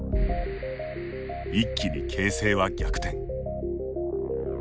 一気に形勢は逆転。